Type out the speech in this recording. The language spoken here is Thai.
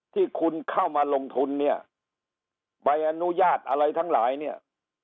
ที่คุณเข้ามาลงทุนเนี่ยใบอนุญาตอะไรทั้งหลายเนี่ย